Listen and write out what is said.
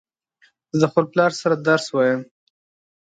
زه د خپل پلار سره درس وایم